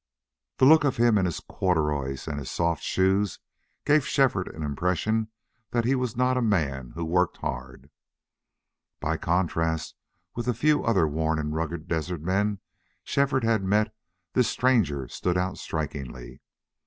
The look of him and his corduroys and his soft shoes gave Shefford an impression that he was not a man who worked hard. By contrast with the few other worn and rugged desert men Shefford had met this stranger stood out strikingly.